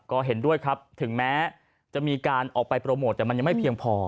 ก็เห็นด้วยครับถึงแม้จะมีการออกไปโปรโมทแต่มันยังไม่เพียงพอ